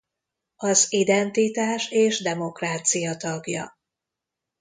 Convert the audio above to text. Az Identitás és Demokrácia tagja.